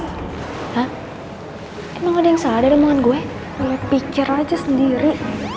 hai hah emang ada yang sadar emang gue pikir aja sendiri